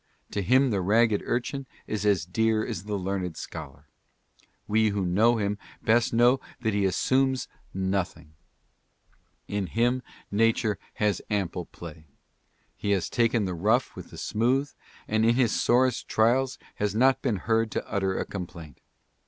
To him the ragged urchin is as dear as the learned scholar. We who know him best know that he assumes nothing. In him 24 ADDRESSES. nature has ample play. He has taken the rough with the smooth, and in his sorest trials has not been heard to utter a complaint.